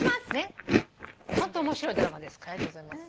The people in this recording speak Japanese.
ホント面白いドラマですから。